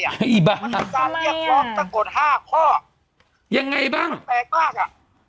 ไอ้บ้ามันก็จะเรียกร้องสักกว่าห้าข้อยังไงบ้างมันแปลกมากอ่ะ